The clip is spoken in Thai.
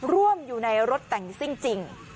ร่วมอยู่ในรถแต่งซิ่งจริง